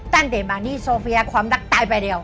ตั้งแต่บางทีโซเฟียความรักตายไปแล้ว